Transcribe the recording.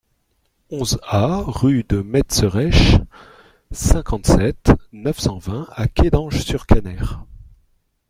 onze A rue de Metzeresche, cinquante-sept, neuf cent vingt à Kédange-sur-Canner